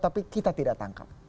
tapi kita tidak tangkap